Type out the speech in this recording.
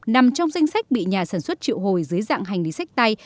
nằm trong danh sách bị nhà sản xuất triệu hồi dưới dạng hành lý sách tay